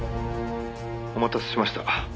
「お待たせしました。